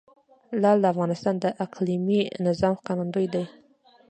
لعل د افغانستان د اقلیمي نظام ښکارندوی ده.